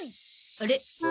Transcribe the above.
あれ？